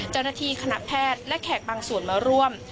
เจ้าหน้าที่คณะแพทย์และแขกบางส่วนมาร่วม